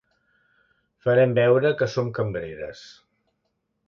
Farem veure que som cambreres.